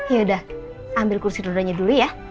yaudah ambil kursi rodanya dulu ya